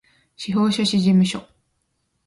司法書士事務所